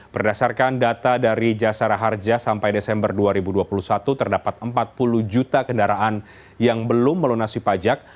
berdasarkan data dari jasara harja sampai desember dua ribu dua puluh satu terdapat empat puluh juta kendaraan yang belum melunasi pajak